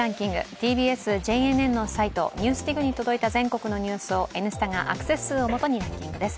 ＴＢＳ・ＪＮＮのサイト「ＮＥＷＳＤＩＧ」に届いた全国のニュースを「Ｎスタ」がアクセス数を基にランキングです。